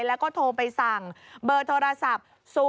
แล้วก็โทรไปสั่งเบอร์โทรศัพท์๐๘๑๘๒๒๑๑๓๒